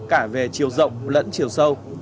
cả về chiều rộng lẫn chiều sâu